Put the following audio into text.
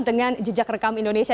dengan jejak rekam indonesia